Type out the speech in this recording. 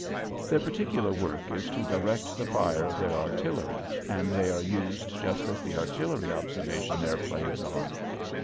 Their particular work is to direct the fire of their artillery, and they are used just as the artillery observation airplanes are.